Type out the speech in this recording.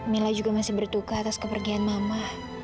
mila juga masih berduka atas kepergian mama